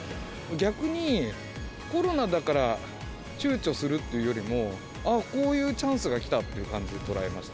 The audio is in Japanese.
逆に、コロナだからちゅうちょするというよりも、ああ、こういうチャンスが来たっていう感じで捉えました。